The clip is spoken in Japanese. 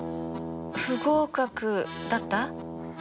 不合格だった？